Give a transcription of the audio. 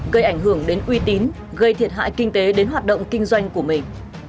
gây ảnh hưởng đến uy tín gây thiệt hại kinh tế đến hoạt động kinh doanh của mình